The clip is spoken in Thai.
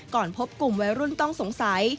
ก่อนพบกลุ่มวัยรุ่นต้องสงสัย